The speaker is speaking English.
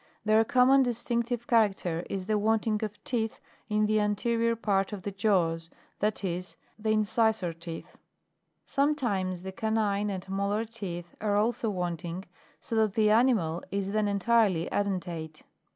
Their common distinctive character is the wanting of teeth in the anterior part of the jaws, that is, the incisor teeth. (Plate 4. fig. 3.) Sometimes the canine and molar teeth are also wanting, so that the animal is then entirely edentate.